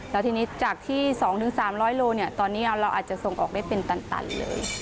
แล้วทีนี้จากที่๒๓๐๐โลตอนนี้เราอาจจะส่งออกได้เป็นตันเลย